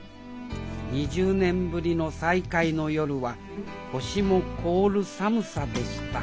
２０年ぶりの再会の夜は星も凍る寒さでした